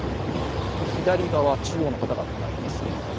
左側、中央の方が歌います。